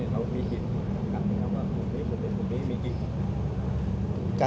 หมอบรรยาหมอบรรยา